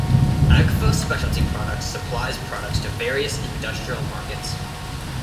Agfa Specialty Products supplies products to various industrial markets.